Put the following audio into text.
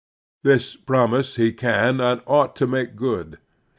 This promise he can and ought to make good.